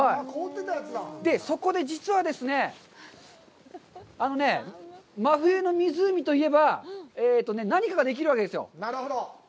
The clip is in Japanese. そこで、実はですね、あのねぇ、真冬の湖といえば、何かができるわけですよ。